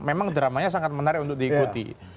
memang dramanya sangat menarik untuk diikuti